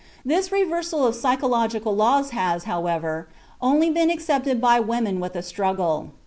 This reversal of psychological laws has, however, only been accepted by women with a struggle.